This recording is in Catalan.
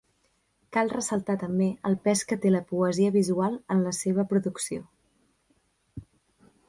Cal ressaltar també el pes que té la poesia visual en la seva producció.